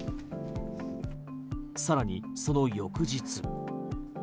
さらにその翌日。